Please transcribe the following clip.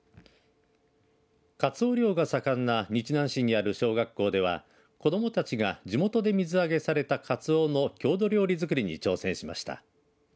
かつお漁が盛んな日南市にある小学校では子どもたちが地元で水揚げされたかつおの郷土料理づくりに挑戦しました。